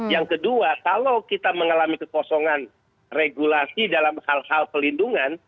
yang kedua kalau kita mengalami kekosongan regulasi dalam hal hal pelindungan